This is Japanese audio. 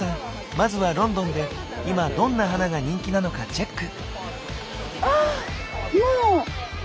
まずはロンドンで今どんな花が人気なのかチェック。